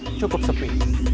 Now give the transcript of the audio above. ini cukup sepi